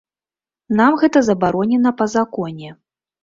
Нам гэта забаронена па законе.